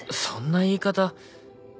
そんな言い方。